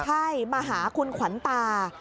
ใช่มาหาคุณขวัญตา